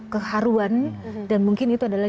keharuan dan mungkin itu adalah